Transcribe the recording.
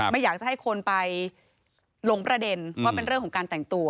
ไม่อยากจะให้คนไปหลงประเด็นว่าเป็นเรื่องของการแต่งตัว